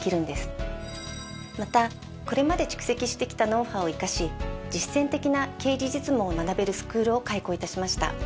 またこれまで蓄積してきたノウハウを生かし実践的な経理実務を学べるスクールを開校致しました。